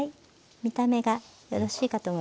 見た目がよろしいかと思います。